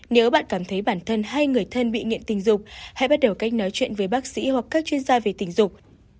nếu bạn cảm thấy bản thân hay người thân bị nghiện tình dục hãy bắt đầu cách nói chuyện với bác sĩ hoặc các chuyên gia về tình dục